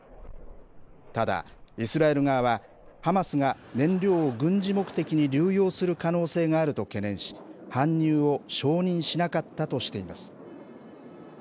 ただ、イスラエル側は、ハマスが燃料を軍事目的に流用する可能性があると懸念し、搬入を承認しなかったとしています。